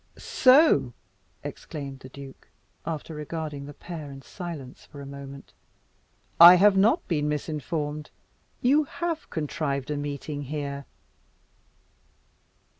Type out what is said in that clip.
"Soh!" exclaimed the duke, after regarding the pair in silence for a moment, "I have not been misinformed. You have contrived a meeting here."